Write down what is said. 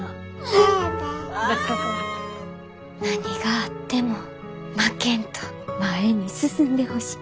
何があっても負けんと前に進んでほしい。